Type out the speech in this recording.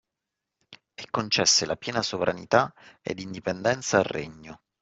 E concesse la piena sovranità ed indipendenza al Regno